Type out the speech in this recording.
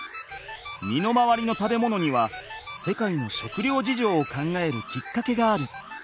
身の回りの食べ物には世界の食料事情を考えるきっかけがある。